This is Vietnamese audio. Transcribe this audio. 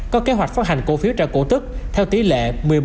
có kế hoạch phát hành cổ phiếu trả cổ tức theo tỷ lệ một mươi một bảy